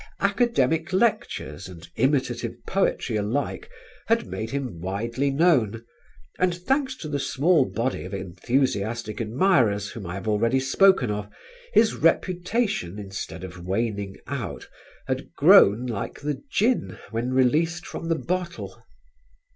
Academic lectures and imitative poetry alike had made him widely known; and, thanks to the small body of enthusiastic admirers whom I have already spoken of, his reputation instead of waning out had grown like the Jinn when released from the bottle.